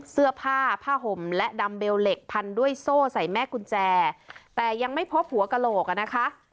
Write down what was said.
เสื้อผ้าผ้าห่มและดำเบลเหล็กพันด้วยโซ่ใส่แม่กุญแจแต่ยังไม่พบหัวกระโหลกอ่ะนะคะ